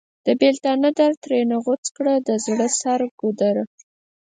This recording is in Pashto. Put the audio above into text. د بیلتانه درد ترېنه غوڅ کړ د زړه سر ګودره!